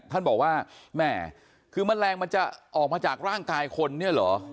ท่านบอกว่าแม่คือแมลงมันจะออกมาจากร่างกายคนเนี่ยเหรอ